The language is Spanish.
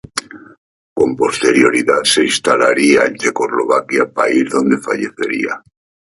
Con posterioridad se instalaría en Checoslovaquia, país donde fallecería.